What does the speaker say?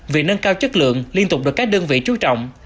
việc nâng cao chất lượng liên tục được các đơn vị trú trọng